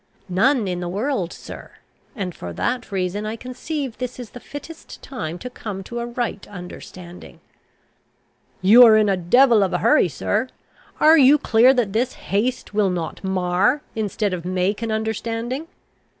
"None in the world, sir; and for that reason I conceive this the fittest time to come to a right understanding." "You are in a devil of a hurry, sir. Are you clear that this haste will not mar, instead of make an understanding?"